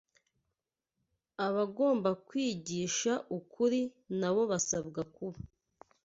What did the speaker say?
Abagombaga kwigisha ukuri nabo basabwaga kuba